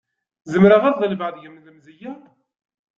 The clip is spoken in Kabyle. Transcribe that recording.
Zemreɣ ad ḍelbeɣ deg-m lemzeyya?